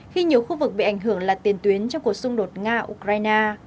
khi nhiều khu vực bị ảnh hưởng là tiền tuyến trong cuộc xung đột nga ukraine